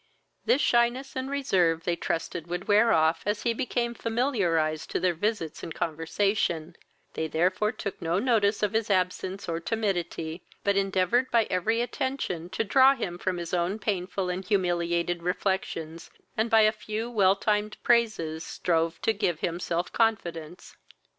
This shyness and reserve they trusted would wear off, as he became familiarized to their visits and conversation; they therefore took no notice of his absence or timidity, but endeavoured by every attention to draw him from his own painful and humiliating reflections, and by a few well timed praises strove to give him self confidence.